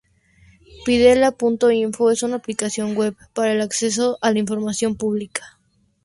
Pidela.info es una aplicación web para el acceso a la información pública.